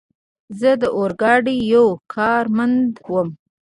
زه د اورګاډي یو کارمند ووم.